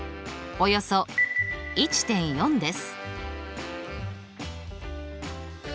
およそ２．９です。